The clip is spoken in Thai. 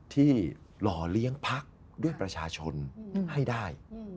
หล่อเลี้ยงพักด้วยประชาชนให้ได้